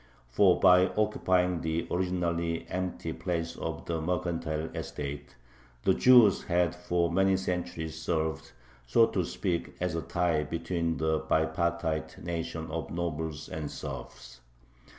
For by occupying the originally empty place of the mercantile estate, the Jews had for many centuries served, so to speak, as a tie between the bipartite nation of nobles and serfs.